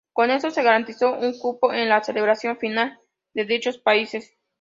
Con esto, se garantizó un cupo en la celebración final de dichos países.